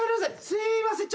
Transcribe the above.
すいません。